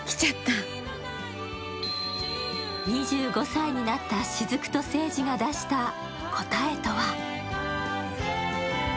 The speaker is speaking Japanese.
２５歳になった雫と聖司が出した答えとは？